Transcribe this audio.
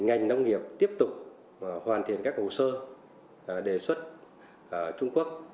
ngành nông nghiệp tiếp tục hoàn thiện các hồ sơ đề xuất trung quốc